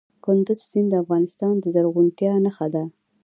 کندز سیند د افغانستان د زرغونتیا نښه ده.